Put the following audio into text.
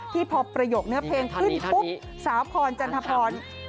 พอประโยคเนื้อเพลงขึ้นปุ๊บสาวพรจันทพร